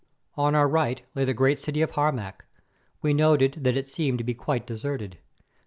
On our right lay the great city of Harmac. We noted that it seemed to be quite deserted.